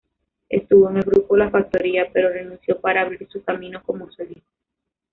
Estuvo en el grupo La Factoría, pero renunció para abrir su camino como solista.